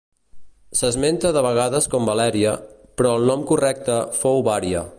S'esmenta de vegades com Valèria, però el nom correcte fou Vària.